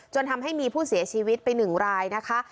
ทำให้มีผู้เสียชีวิตไป๑รายนะคะ